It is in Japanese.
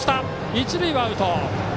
一塁はアウト。